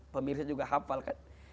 pemirsa juga hafal kan